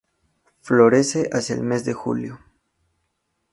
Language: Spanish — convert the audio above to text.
Florece hacia el mes de julio.